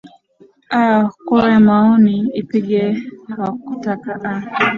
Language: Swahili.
aa kura ya maoni ipige hawakuta a